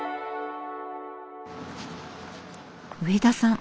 植田さん